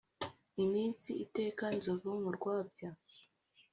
Iminsi iteka inzovu mu rwabya.